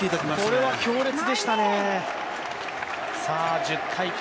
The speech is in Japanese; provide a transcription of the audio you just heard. これは強烈でしたね。